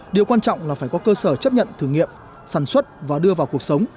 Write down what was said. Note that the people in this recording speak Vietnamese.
điều quan trọng là phải có cơ sở chấp nhận thử nghiệm sản xuất và đưa vào cuộc sống